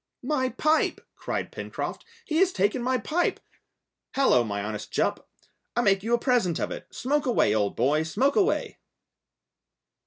"My pipe," cried Pencroft. "He has taken my pipe! Hallo, my honest Jup, I make you a present of it! Smoke away, old boy, smoke away!"